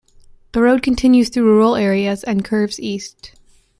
The road continues through rural areas and curves east.